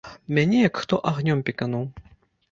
Мяне як хто агнём пекануў.